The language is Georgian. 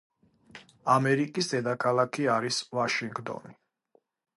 ამერიკის დედაქალაქი არის ვაშინგტონი